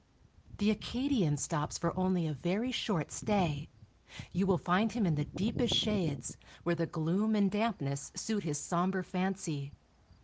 The Acadian stops for only a very short stay; you will find him in the deepest shades, where the gloom and dampness suit his somber fancy.